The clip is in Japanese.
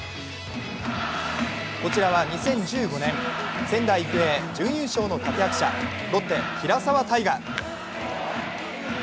こちらは２０１５年、仙台育英準優勝の立役者、ロッテ・平沢大河。